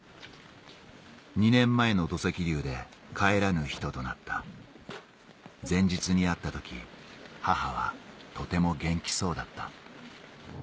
２年前の土石流で帰らぬ人となった前日に会った時母はとても元気そうだった